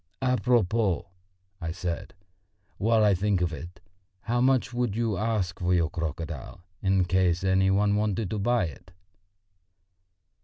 "À propos," I said, "while I think of it: how much would you ask for your crocodile in case any one wanted to buy it?"